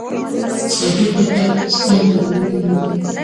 سعودي کې خلک په سپینو جامو مین دي.